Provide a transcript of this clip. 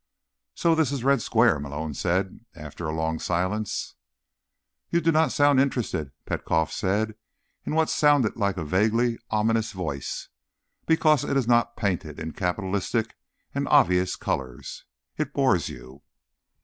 "So this is Red Square," Malone said, after a long silence. "You do not sound interested," Petkoff said in what sounded like a vaguely ominous voice. "Because it is not painted in capitalistic and obvious colors, it bores you?"